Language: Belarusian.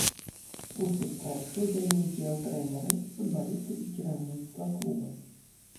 У сустрэчы ўзялі ўдзел трэнеры, футбалісты і кіраўніцтва клуба.